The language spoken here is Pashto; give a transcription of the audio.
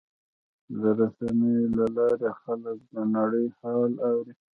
د رسنیو له لارې خلک د نړۍ حال اوري.